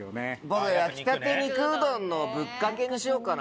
僕焼きたて肉うどんのぶっかけにしようかな。